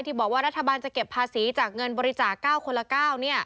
บอกว่ารัฐบาลจะเก็บภาษีจากเงินบริจาค๙คนละ๙